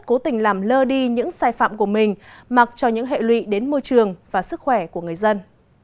cố tình làm lơ đi những sai phạm của mình mặc cho những hệ lụy đến môi trường và sức khỏe của người dân